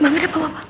mbak mir bawa mbak